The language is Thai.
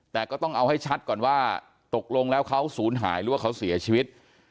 แต่ก็ต้องเอาให้ชัดก่อนว่าตกลงแล้วเขาศูนย์หายหรือว่าเขาเสียชีวิต